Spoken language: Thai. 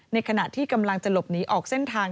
ในขณะที่กำลังจะหลบหนีออกเส้นทาง